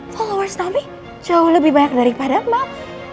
followers naomi jauh lebih banyak daripada mel